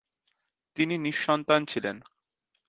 তিনি নিঃসন্তান ছিলেন।